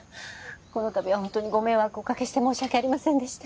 このたびは本当にご迷惑をおかけして申し訳ありませんでした。